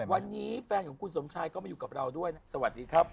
วันนี้แฟนของคุณสมชายก็มาอยู่กับเราด้วยนะสวัสดีครับ